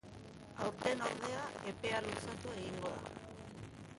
Aurten, ordea, epea luzatu egingo da.